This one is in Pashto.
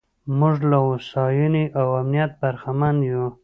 موږ له هوساینې او امنیت برخمن یو.